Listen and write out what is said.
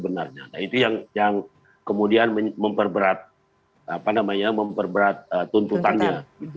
nah itu yang kemudian memperberat tuntutannya